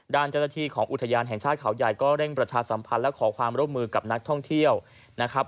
ด้านเจ้าหน้าที่ของอุทยานแห่งชาติเขาใหญ่ก็เร่งประชาสัมพันธ์และขอความร่วมมือกับนักท่องเที่ยวนะครับ